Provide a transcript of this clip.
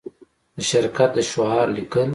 د شرکت د شعار لیکل